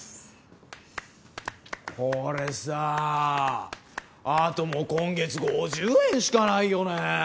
俺さあともう今月５０円しかないよね！！